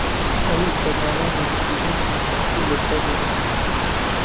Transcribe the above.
ئەویش بە دانانی سیدی زانستی لەسەریان